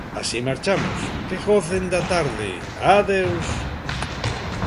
Así marchamos. Que gocen da tarde, adeus.